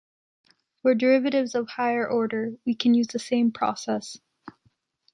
For derivatives of higher order, we can use the same process.